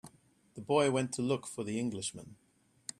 The boy went to look for the Englishman.